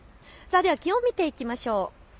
気温を見ていきましょう。